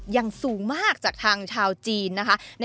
ยังสูงมากจากทางชาวจีน